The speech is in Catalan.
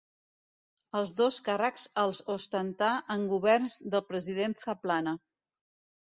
Els dos càrrecs els ostentà en governs del president Zaplana.